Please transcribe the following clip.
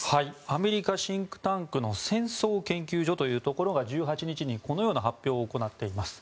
アメリカシンクタンクの戦争研究所というところが１８日にこのような発表を行っています。